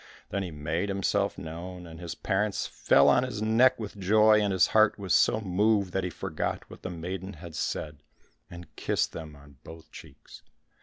Then he made himself known, and his parents fell on his neck with joy, and his heart was so moved that he forgot what the maiden had said, and kissed them on both cheeks.